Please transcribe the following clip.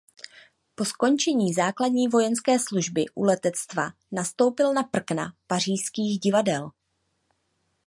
Po skončení základní vojenské služby u letectva nastoupil na prkna pařížských divadel.